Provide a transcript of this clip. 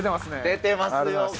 出てますよ。